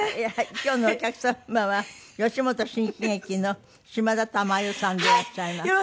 今日のお客様は吉本新喜劇の島田珠代さんでいらっしゃいます。